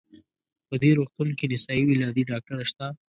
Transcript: په دې روغتون کې نسایي ولادي ډاکټره شته؟